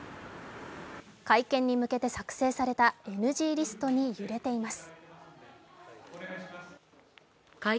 会見に向けて作成されたＮＧリストに揺れています。